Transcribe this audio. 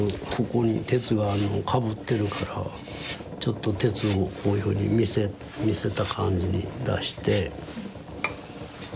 ここに鉄がかぶってるからちょっと鉄をこういうふうに見せた感じに出して。